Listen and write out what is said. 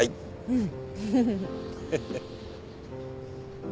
うん。